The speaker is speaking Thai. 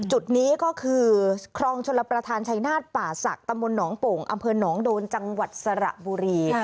จุดนี้ก็คือคลองชลประธานชายนาฏป่าศักดิ์ตำบลหนองโป่งอำเภอหนองโดนจังหวัดสระบุรี